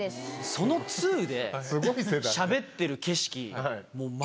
そのツーでしゃべってる景色。